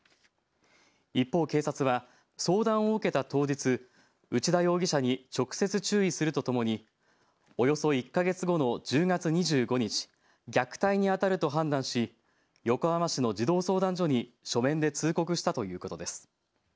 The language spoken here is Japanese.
一方、警察は相談を受けた当日、内田容疑者に直接、注意するとともに、およそ１か月後の１０月２５日、虐待にあたると判断し横浜市の児童相談所に書面で通告したということです。